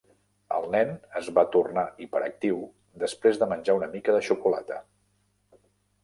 El nen es va tornar hiperactiu després de menjar una mica de xocolata.